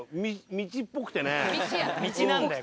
道なんだよ